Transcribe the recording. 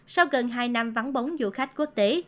sau gần hai năm vắng bóng du khách quốc tế